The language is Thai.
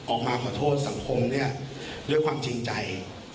ออกมาขอโทษสังคมเนี่ยด้วยความจริงใจ